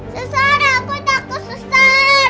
susah aku takut susah